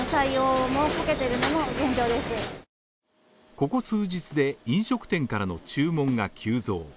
ここ数日で飲食店からの注文が急増。